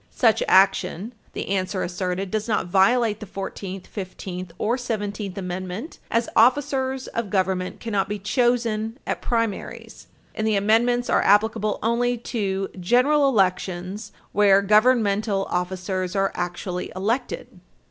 Such action, the answer asserted, does not violate the Fourteenth, Fifteenth or Seventeenth Amendment, as officers of government cannot be chosen at primaries, and the Amendments are applicable only to general elections, where governmental officers are actually elected.